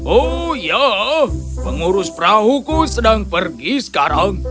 oh ya pengurus perahuku sedang pergi sekarang